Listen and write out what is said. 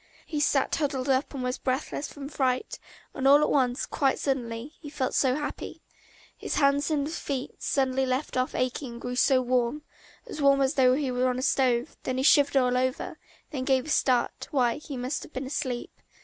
He sat huddled up and was breathless from fright, and all at once, quite suddenly, he felt so happy: his hands and feet suddenly left off aching and grew so warm, as warm as though he were on a stove; then he shivered all over, then he gave a start, why, he must have been asleep.